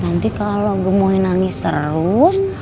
nanti kalau gemoy nangis terus